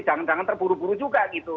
jangan jangan terburu buru juga gitu